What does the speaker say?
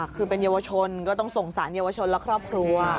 คือเป็นเยาวชนก็ต้องส่งสารเยาวชนและครอบครัว